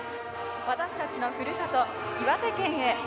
私たちのふるさと岩手県へ。